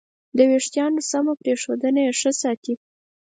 د وېښتیانو سمه پرېښودنه یې ښه ساتي.